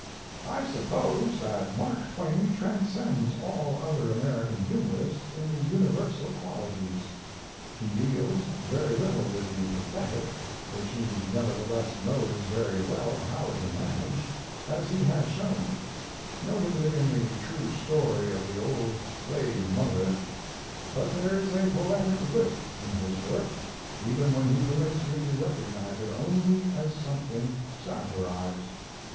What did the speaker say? I suppose that Mark Twain transcends all other American humorists in the universal qualities. He deals very little with the pathetic, which he nevertheless knows very well how to manage, as he has shown, notably in the true story of the old slave mother; but there is a poetic lift in his work, even when he permits you to recognize it only as something satirized.